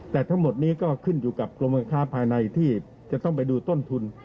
แต่ทั้งหมดนี้ก็ขึ้นอยู่กับกรมการค้าภายในที่จะต้องไปดูต้นทุน